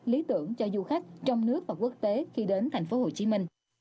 lý tưởng cho du khách trong nước và quốc tế khi đến tp hcm